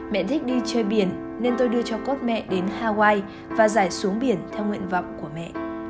mẹ thích đi chơi biển nên tôi đưa cho cốt mẹ đến hawaii và giải xuống biển theo nguyện vọng của mẹ